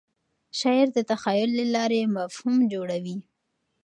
شاعر د تخیل له لارې مفهوم جوړوي.